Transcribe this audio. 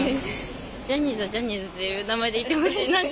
ジャニーズはジャニーズという名前でいてほしいなって。